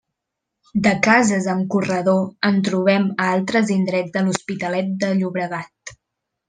De cases en corredor en trobem a altres indrets de l'Hospitalet de Llobregat.